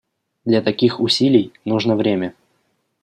Для таких усилий нужно время.